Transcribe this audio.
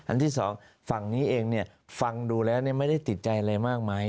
ที่สองฝั่งนี้เองฟังดูแล้วไม่ได้ติดใจอะไรมากมาย